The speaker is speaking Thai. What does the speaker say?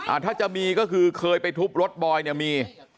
อ่าถ้าจะมีก็คือเคยไปทุบรถบอยมี